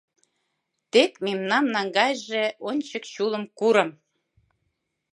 Тек мемнам наҥгайже Ончык чулым курым!